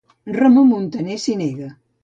Ramon Muntaner s'hi nega.